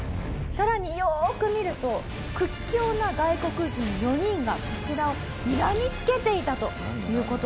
さらによーく見ると屈強な外国人４人がこちらをにらみつけていたという事なんですよね。